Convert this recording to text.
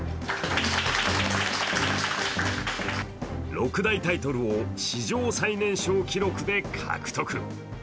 六大タイトルを史上最年少記録で獲得。